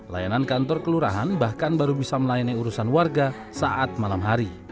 layanan kantor kelurahan bahkan baru bisa melayani urusan warga saat malam hari